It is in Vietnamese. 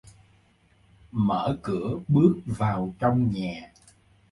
Mở cửa bước vào trong nhà